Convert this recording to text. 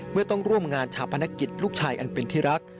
เมื่อต้องร่วมงานชาปนกิจลูกชายอันเป็นที่รัก